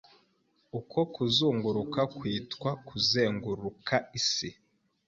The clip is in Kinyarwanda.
uko kuzunguruka kwitwa kuzenguruka isi